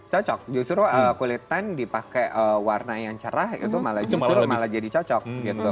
cocok justru kulitan dipakai warna yang cerah itu malah justru malah jadi cocok gitu